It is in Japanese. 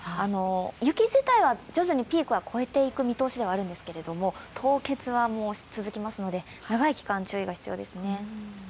雪自体は徐々にピークは越えていく見通しではあるんですけど、凍結は続きますので、長い期間注意が必要ですね。